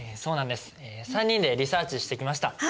３人でリサーチしてきました。